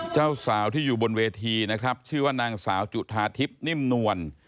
เจ้าสาวที่อยู่บนเวทีนะครับชื่อว่านางสาวจุธาทิพย์นิ่มนวล